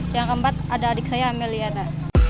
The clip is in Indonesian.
yang keempat ada adik saya ameliana